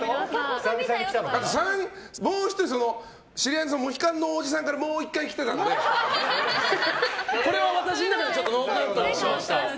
もう１人、知り合いのモヒカンのおじさんからもう１回来てたのでこれは私の中でノーカウントにしました。